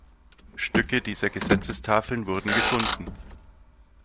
Stücke dieser Gesetzestafeln wurden gefunden.